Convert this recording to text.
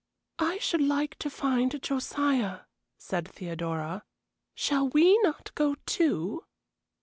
"I should like to find Josiah," said Theodora. "Shall we not go, too?"